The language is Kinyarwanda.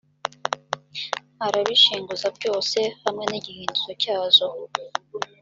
arabishinguza byose hamwe n igihindizo cyazo